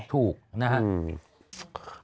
ถูกนะครับ